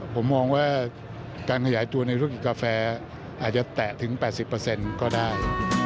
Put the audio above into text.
ผมมองว่าการขยายตัวในธุรกิจกาแฟอาจจะแตะถึง๘๐ก็ได้